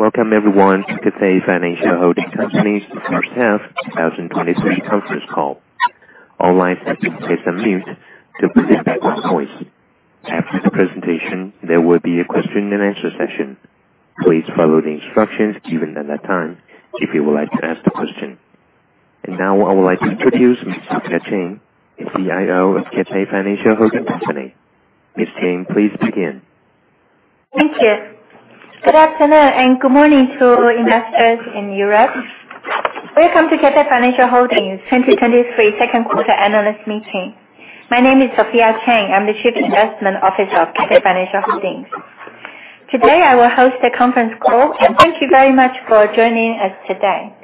Welcome everyone to Cathay Financial Holding Co., Ltd.'s first half 2023 conference call. All lines have been placed on mute to prevent background noise. After the presentation, there will be a question and answer session. Please follow the instructions given at that time if you would like to ask the question. Now I would like to introduce Ms. Sophia Cheng, the CIO of Cathay Financial Holding Co., Ltd. Ms. Cheng, please begin. Thank you. Good afternoon, and good morning to investors in Europe. Welcome to Cathay Financial Holdings 2023 second quarter analyst meeting. My name is Sophia Cheng. I'm the Chief Investment Officer of Cathay Financial Holdings. Today, I will host the conference call and thank you very much for joining us today.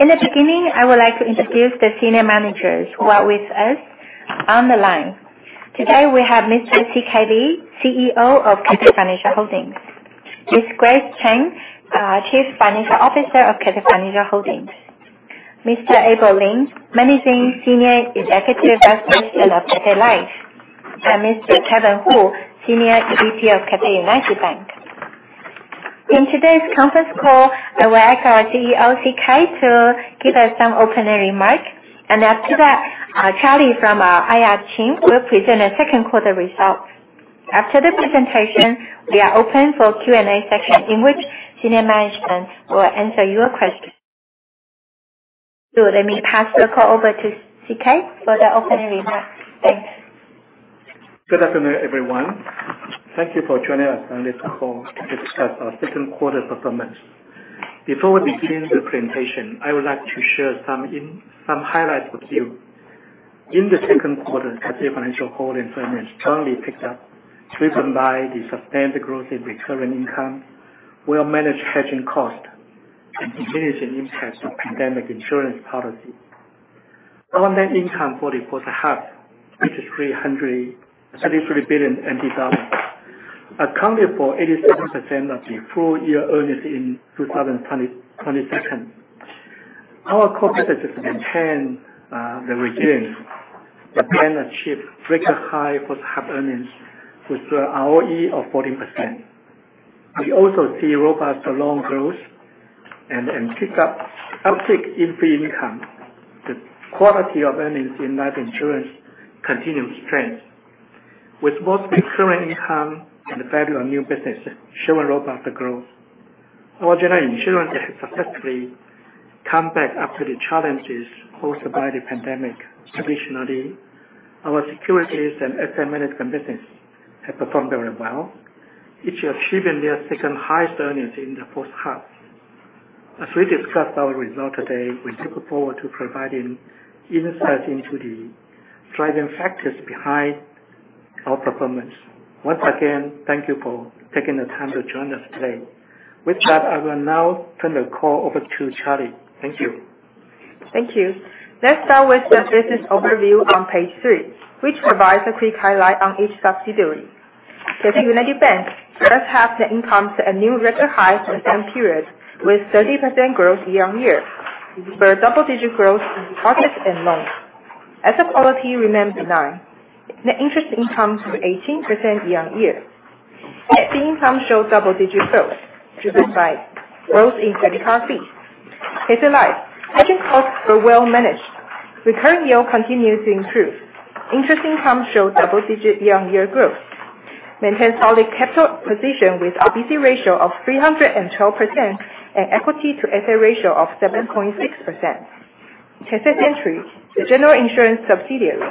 In the beginning, I would like to introduce the senior managers who are with us on the line. Today we have Mr. CK Lee, CEO of Cathay Financial Holdings; Ms. Grace Chang, Chief Financial Officer of Cathay Financial Holdings; Mr. Abel Lin, Managing Senior Executive Vice President of Cathay Life; and Mr. Kevin Hu, Senior Executive Vice President of Cathay United Bank. In today's conference call, I will ask our CEO, CK, to give us some opening remarks, and after that, Charlie from IR Team will present the second quarter results. After the presentation, we are open for Q&A session, in which senior management will answer your questions. Let me pass the call over to CK for the opening remarks. Thanks. Good afternoon, everyone. Thank you for joining us on this call to discuss our second quarter performance. Before we begin the presentation, I would like to share some highlights with you. In the second quarter, Cathay Financial Holdings earnings strongly picked up, driven by the sustained growth in recurring income, well managed hedging cost, and diminishing impact of pandemic insurance policy. Our net income for the first half, which is 333 billion NT dollars, accounted for 87% of the full year earnings in 2020, 2022. Our core businesses maintain the resilience but then achieve record high first half earnings with a ROE of 14%. We also see robust loan growth and uptick in fee income. The quality of earnings in life insurance continue strength, with most recurring income and value of new business showing robust growth. Our general insurance has successfully come back after the challenges posed by the pandemic. Additionally, our securities and asset management business have performed very well, each achieving their second highest earnings in the first half. As we discuss our result today, we look forward to providing insight into the driving factors behind our performance. Once again, thank you for taking the time to join us today. With that, I will now turn the call over to Charlie. Thank you. Thank you. Let's start with the business overview on page three, which provides a quick highlight on each subsidiary. Cathay United Bank first-half net income to a new record high for the same period with 30% growth year-on-year for double-digit growth in deposits and loans. Asset quality remained benign. Net interest income grew 18% year-on-year. Fee income showed double-digit growth driven by growth in credit card fees. Cathay Life hedging costs were well managed. Recurring yield continues to improve. Interest income showed double-digit year-on-year growth, maintains solid capital position with RBC ratio of 312% and equity to asset ratio of 7.6%. Cathay Century, the general insurance subsidiary,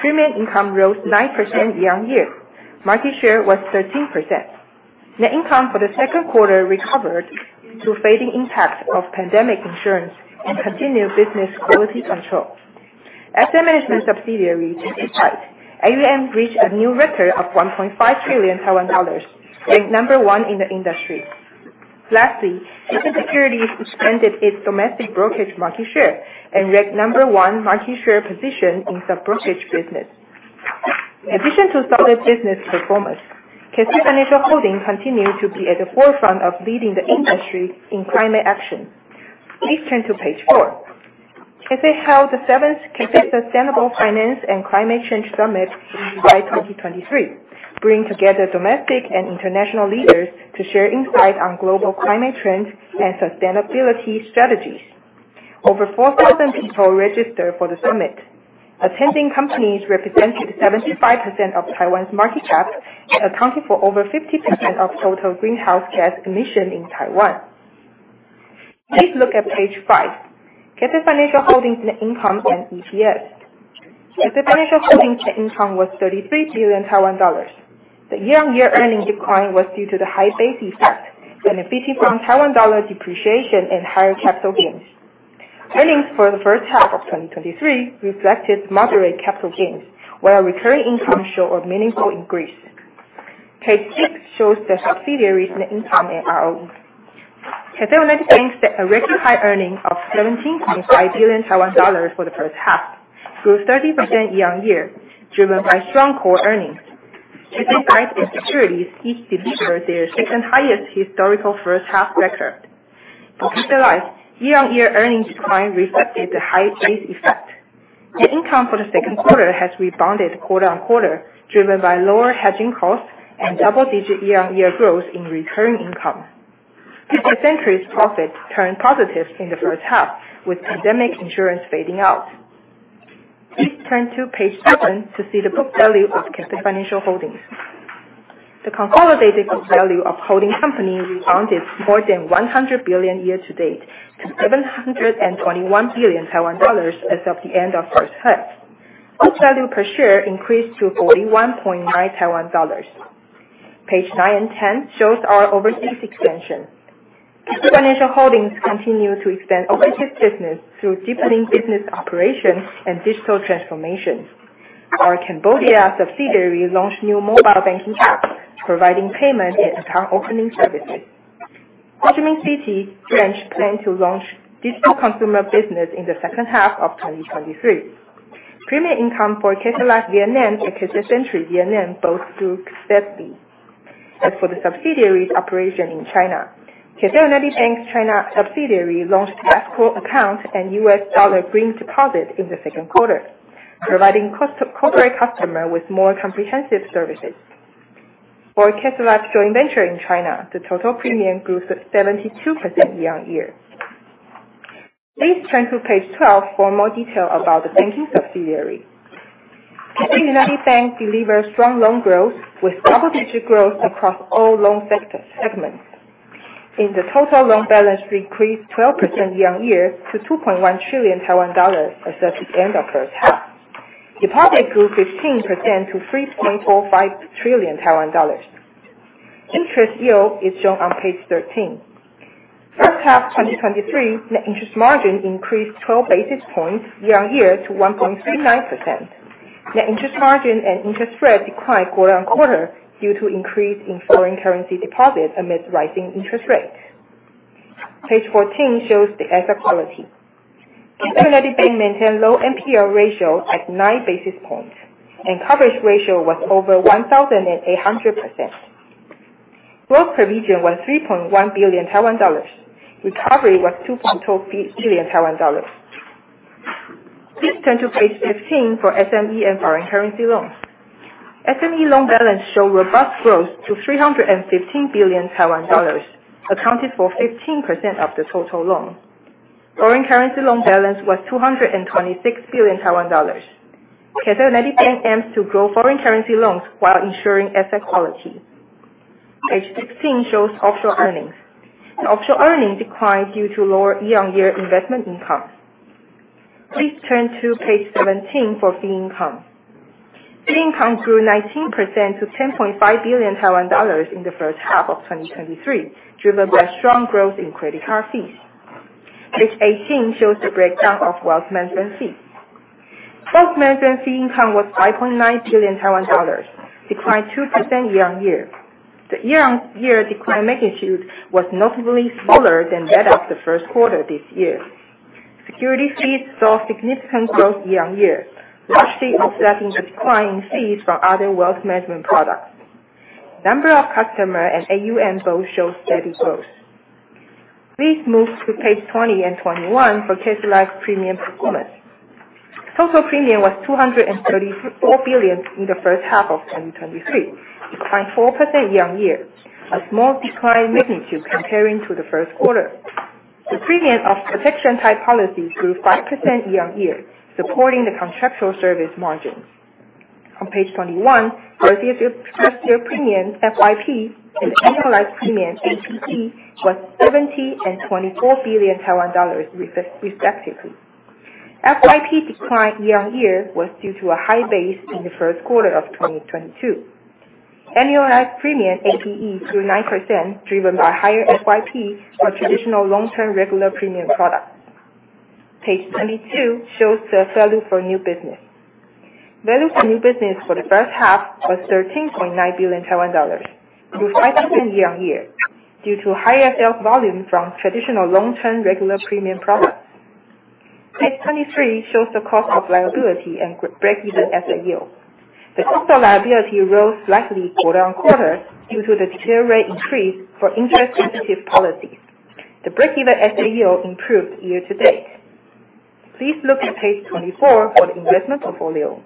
premium income rose 9% year-on-year. Market share was 13%. Net income for the second quarter recovered through fading impact of pandemic insurance and continued business quality control. Asset management subsidiary, Cathay, AUM reached a new record of 1.5 trillion Taiwan dollars, ranked number one in the industry. Lastly, Cathay Securities expanded its domestic brokerage market share and ranked number one market share position in the brokerage business. In addition to solid business performance, Cathay Financial Holdings continue to be at the forefront of leading the industry in climate action. Please turn to page four. Cathay held the seventh Cathay Sustainable Finance and Climate Change Summit in July 2023, bringing together domestic and international leaders to share insight on global climate trends and sustainability strategies. Over 4,000 people registered for the summit. Attending companies represented 75% of Taiwan's market cap, accounting for over 50% of total greenhouse gas emission in Taiwan. Please look at page five. Cathay Financial Holdings net income and EPS. Cathay Financial Holdings net income was TWD 33 billion. The year-on-year earnings decline was due to the high base effect and the benefit from Taiwan dollar depreciation and higher capital gains. Earnings for the first half of 2023 reflected moderate capital gains, while recurring income show a meaningful increase. Page six shows the subsidiaries' net income and ROE. Cathay United Bank set a record high earnings of 17.5 billion Taiwan dollars for the first half, grew 30% year-on-year, driven by strong core earnings. Cathay Life and Cathay Securities each delivered their second highest historical first half record. Cathay Life, year-on-year earnings decline reflected the high base effect. The income for the second quarter has rebounded quarter-on-quarter, driven by lower hedging costs and double-digit year-on-year growth in recurring income. Cathay Century's profit turned positive in the first half with pandemic insurance fading out. Please turn to page seven to see the book value of Cathay Financial Holdings. The consolidated book value of holding company rebounded more than 100 billion year-to-date to 721 billion Taiwan dollars as of the end of first half. Book value per share increased to 41.9 Taiwan dollars. Page nine and 10 shows our overseas expansion. Cathay Financial Holdings continue to expand overseas business through deepening business operations and digital transformation. Our Cambodia subsidiary launched new mobile banking app, providing payment and account opening services. Ho Chi Minh City branch plan to launch digital consumer business in the second half of 2023. Premium income for Cathay Life Vietnam and Cathay Century Vietnam both grew steadily. As for the subsidiaries operation in China, Cathay United Bank's China subsidiary launched escrow account and U.S. dollar green deposit in the second quarter, providing corporate customer with more comprehensive services. For Cathay Life joint venture in China, the total premium grew 72% year-on-year. Please turn to page 12 for more detail about the banking subsidiary. Cathay United Bank delivered strong loan growth with double-digit growth across all loan segments. In total, the loan balance increased 12% year-on-year to 2.1 trillion Taiwan dollars as at the end of the first half. Deposit grew 15% to 3.45 trillion Taiwan dollars. Interest yield is shown on page 13. First half 2023, net interest margin increased 12 basis points year-on-year to 1.39%. Net interest margin and interest spread declined quarter-over-quarter due to increase in foreign currency deposits amid rising interest rates. Page 14 shows the asset quality. Cathay United Bank maintained low NPL ratio at nine basis points, and coverage ratio was over 1,800%. Loan provision was 3.1 billion Taiwan dollars. Recovery was 2.2 billion Taiwan dollars. Please turn to page 15 for SME and foreign currency loans. SME loan balance showed robust growth to 315 billion Taiwan dollars, accounted for 15% of the total loan. Foreign currency loan balance was 226 billion Taiwan dollars. Cathay United Bank aims to grow foreign currency loans while ensuring asset quality. Page 16 shows offshore earnings. The offshore earnings declined due to lower year-on-year investment income. Please turn to page 17 for fee income. Fee income grew 19% to 10.5 billion Taiwan dollars in the first half of 2023, driven by strong growth in credit card fees. Page 18 shows the breakdown of wealth management fees. Wealth management fee income was 5.9 billion Taiwan dollars, declined 2% year-on-year. The year-on-year decline magnitude was notably smaller than that of the first quarter this year. Security fees saw significant growth year-on-year, largely offsetting the decline in fees from other wealth management products. Number of customer and AUM both showed steady growth. Please move to page 20 and 21 for Cathay Life premium performance. Total premium was 234 billion in the first half of 2023, declined 4% year-on-year, a small decline magnitude compared to the first quarter. The premium of protection type policy grew 5% year-on-year, supporting the contractual service margins. On page 21, first year premium, FYP, and annualized premium, APE, was 70 billion and 24 billion Taiwan dollars respectively. FYP decline year-on-year was due to a high base in the first quarter of 2022. Annualized premium, APE, grew 9%, driven by higher FYP for traditional long-term regular premium products. Page 22 shows the value for new business. Value for new business for the first half was 13.9 billion Taiwan dollars, grew 5% year-on-year due to higher sales volume from traditional long-term regular premium products. Page 23 shows the cost of liability and breakeven asset yield. The cost of liability rose slightly quarter-on-quarter due to the discount rate increase for interest-sensitive policies. The breakeven asset yield improved year-to-date. Please look at page 24 for the investment portfolio.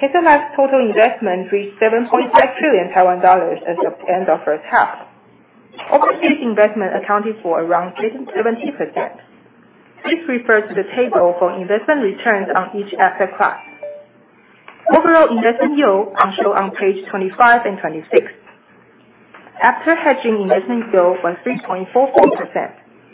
Cathay Life's total investment reached 7.5 trillion Taiwan dollars as of end of first half. Overseas investment accounted for around 70%. Please refer to the table for investment returns on each asset class. Overall investment yield are shown on page 25 and 26. After hedging investment yield was 3.44%,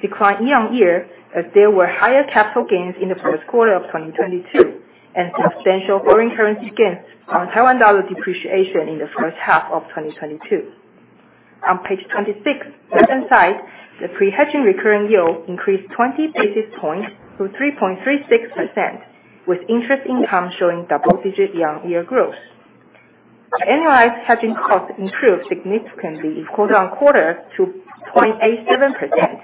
declined year-on-year as there were higher capital gains in the first quarter of 2022 and substantial foreign currency gains on Taiwan dollar depreciation in the first half of 2022. On page 26, left-hand side, the pre-hedging recurring yield increased 20 basis points to 3.36%, with interest income showing double-digit year-on-year growth. The annualized hedging cost improved significantly quarter-on-quarter to 0.87%,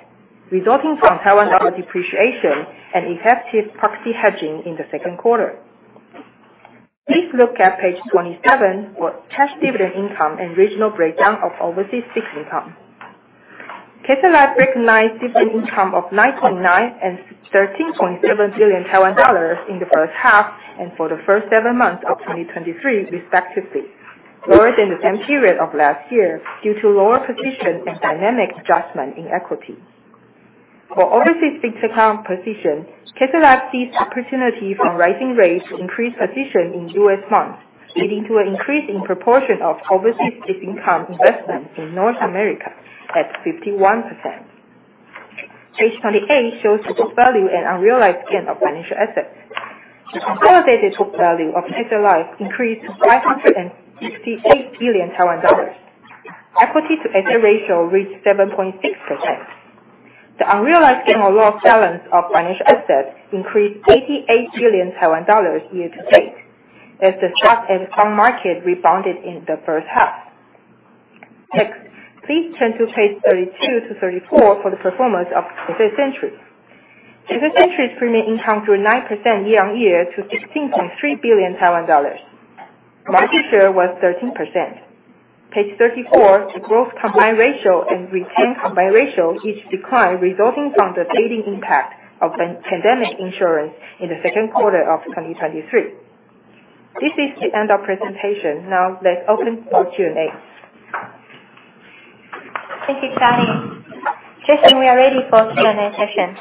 resulting from Taiwan dollar depreciation and effective proxy hedging in the second quarter. Please look at page 27 for cash dividend income and regional breakdown of overseas fixed income. Cathay Life recognized dividend income of 9.9 billion Taiwan dollars and 13.7 billion Taiwan dollars in the first half and for the first seven months of 2023 respectively, lower than the same period of last year due to lower position and dynamic adjustment in equity. For overseas fixed income position, Cathay Life sees opportunity from rising rates to increase position in US bonds, leading to an increase in proportion of overseas fixed income investments in North America at 51%. Page 28 shows the book value and unrealized gain of financial assets. The consolidated book value of Cathay Life increased to 568 billion Taiwan dollars. Equity to asset ratio reached 7.6%. The unrealized gain or loss balance of financial assets increased 88 billion Taiwan dollars year to date as the stock and bond market rebounded in the first half. Next, please turn to page 32-34 for the performance of Cathay Century. Cathay Century's premium income grew 9% year-on-year to 16.3 billion Taiwan dollars. Market share was 13%. Page 34, the gross combined ratio and retained combined ratio each declined resulting from the fading impact of pandemic insurance in the second quarter of 2023. This is the end of presentation. Now let's open for Q&A. Thank you, Charlie. Jason, we are ready for Q&A session.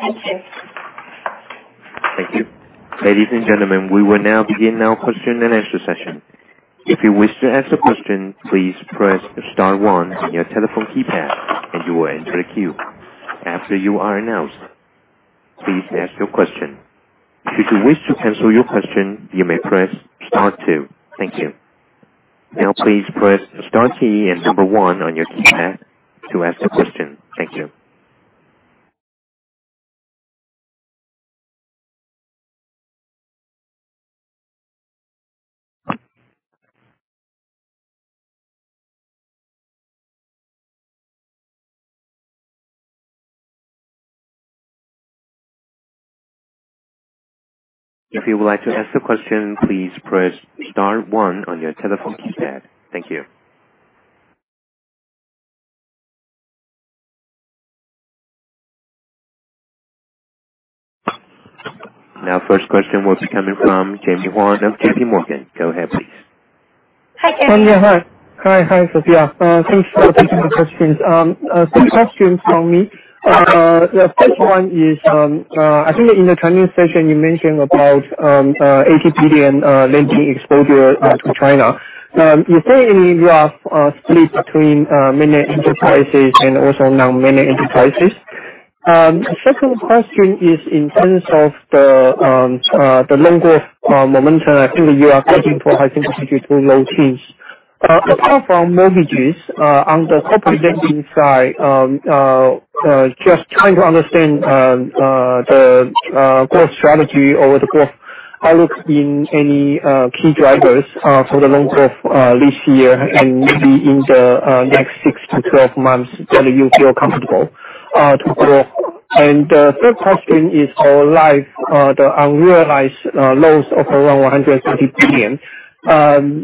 Thank you. Now first question was coming from Jamie Wan of JPMorgan. Go ahead, please. Hi, Jamie. Hi. Hi, Sophia. Thanks for taking the questions. Some questions from me. The first one is, I think in the training session you mentioned about ATB and lending exposure to China. Is there any rough split between mainland enterprises and non-mainland enterprises? Second question is in terms of the loan growth momentum. I think you are guiding for high single digit to low teens. Apart from mortgages, on the corporate lending side, just trying to understand the growth strategy or the growth outlook in any key drivers for the loan growth this year and maybe in the next six-12 months that you feel comfortable to grow. The third question is for life, the unrealized loss of around 130 billion.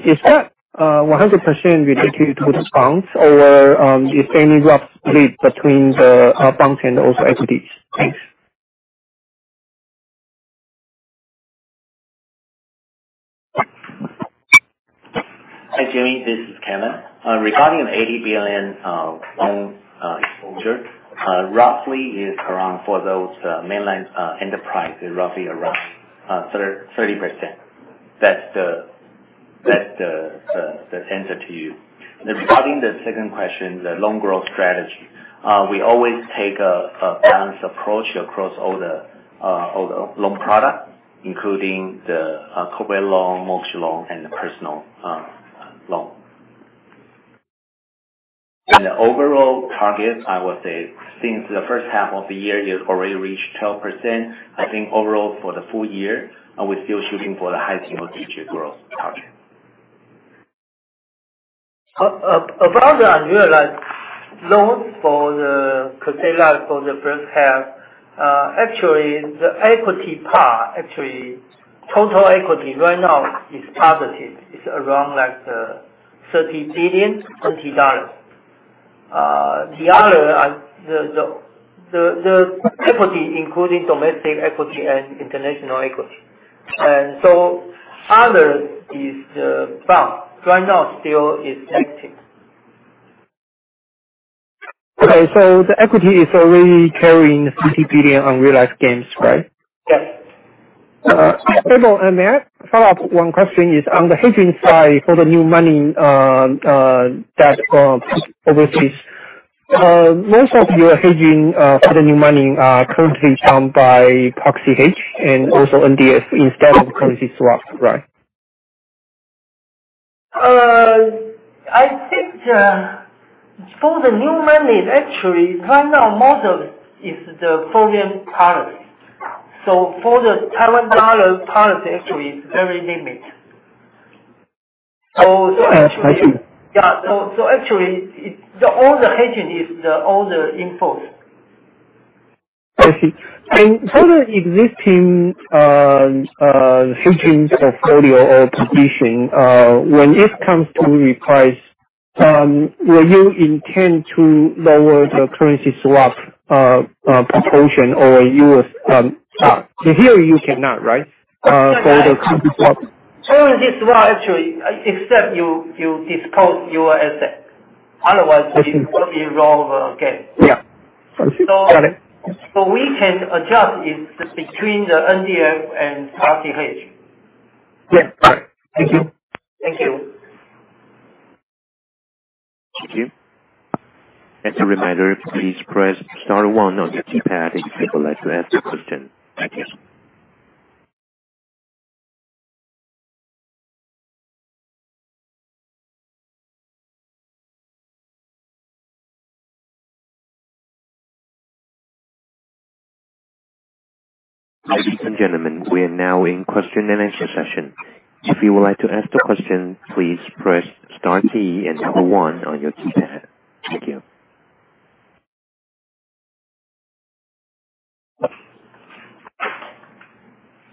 Is that 100% related to the bonds or, if any rough split between the bond and also equities? Thanks. Hi, Jamie, this is Kevin. Regarding the 80 billion loan exposure, roughly is around for those mainland enterprise, roughly around 30%. That's the answer to you. Regarding the second question, the loan growth strategy, we always take a balanced approach across all the loan product, including the corporate loan, mortgage loan and the personal loan. The overall target, I would say since the first half of the year, we have already reached 12%. I think overall for the full year, we're still shooting for the high single-digit growth target. About the unrealized losses for the Cathay Life for the first half, actually the equity part, actually total equity right now is positive, around like 30 billion. The other are the equity, including domestic equity and international equity. Other is the bond. Right now still is negative. Okay. The equity is already carrying 30 billion unrealized gains, right? Yes. May I follow up one question is on the hedging side for the new money overseas. Most of your hedging for the new money currently done by proxy hedge and also NDF instead of currency swap, right? I think for the new money actually right now most of is the foreign currency. For the Taiwan dollar currency actually is very limited. I see. Actually, it's the older hedging is the older import. I see. For the existing fixing of portfolio or position, will you intend to lower the currency swap proportion or you will. Here you cannot, right? For the currency swap. For this one actually, except you dispose your asset. Otherwise I see. It will be rolled over again. Yeah. I see. Got it. We can adjust it between the NDF and proxy hedge. Yeah. All right. Thank you. Thank you. Thank you. As a reminder, please press star one on your keypad if you would like to ask a question. Thank you. Ladies and gentlemen, we are now in question and answer session. If you would like to ask the question, please press star key and number one on your keypad. Thank you.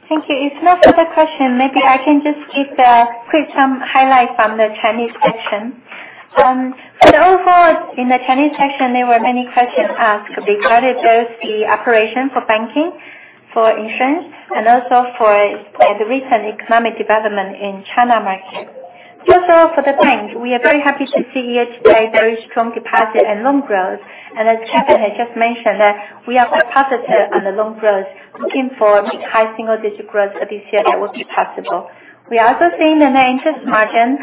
Thank you. If no further question, maybe I can just give the quick highlight from the Chinese section. Overall in the Chinese section there were many questions asked regarding those, the operation for banking, for insurance, and also for the recent economic development in China market. For the bank, we are very happy to see year-to-date very strong deposit and loan growth. As Kevin has just mentioned, that we are very positive on the loan growth, looking for high single digit growth for this year that would be possible. We are also seeing the net interest margin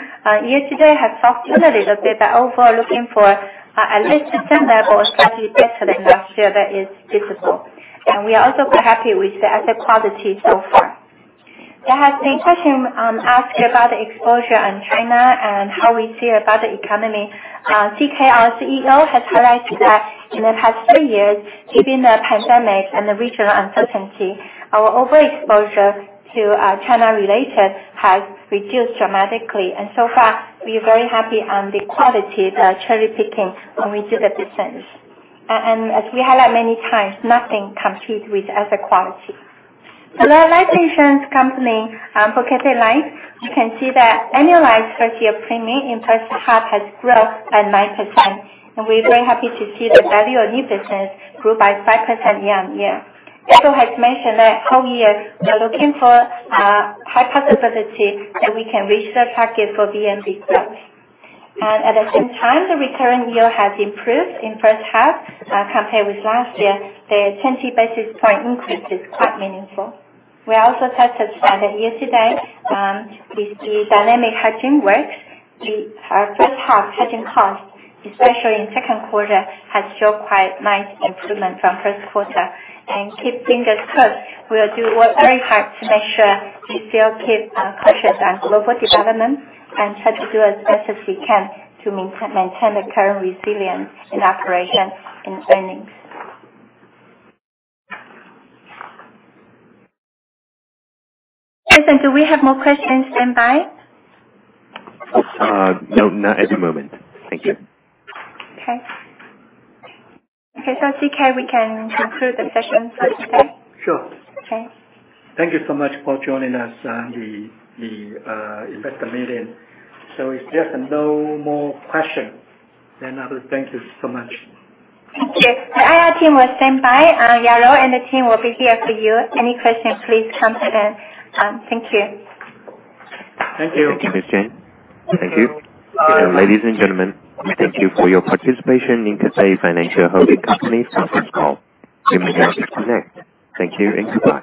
year-to-date has softened a little bit, but overall looking for at least the same level, slightly better than last year, that is feasible. We are also very happy with the asset quality so far. There has been question asked about the exposure on China and how we feel about the economy. CK, our CEO, has highlighted that in the past three years, given the pandemic and the regional uncertainty, our overexposure to China-related has reduced dramatically. So far we are very happy on the quality that cherry-picking when we do the decisions. As we highlight many times, nothing compete with asset quality. Our life insurance company for Cathay Life, you can see that annualized first year premium in first half has grown at 9%. We're very happy to see the VNB business grew by 5% year-over-year. Rachel has mentioned that whole year we are looking for high possibility that we can reach the target for VNB growth. At the same time, the return yield has improved in first half, compared with last year. The 20 basis point increase is quite meaningful. We are also satisfied that year-to-date, with the dynamic hedging works, our first half hedging cost, especially in second quarter, has showed quite nice improvement from first quarter. Keeping this course, we'll do very hard to make sure we still keep cautious on global development and try to do as best as we can to maintain the current resilience in operations and earnings. Jason, do we have more questions standby? No, not at the moment. Thank you. Okay. CK, we can conclude the session for today? Sure. Okay. Thank you so much for joining us on the investor meeting. If there's no more question, then I will thank you so much. Thank you. The IR team will stand by. Yaro and the team will be here for you. Any question, please come to them. Thank you. Thank you. Thank you, Ms. Cheng Thank you. Ladies and gentlemen, thank you for your participation in Cathay Financial Holding Company's conference call. You may now disconnect. Thank you and goodbye.